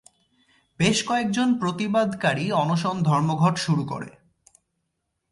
বেশ কয়েকজন প্রতিবাদকারী অনশন ধর্মঘট শুরু করে।